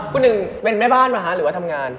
คุณหนึ่งเป็นแม่บ้านป่ะคะหรือว่าทำงาน